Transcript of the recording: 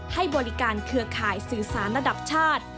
ให้บริการเครือข่ายสื่อสารระดับชาติ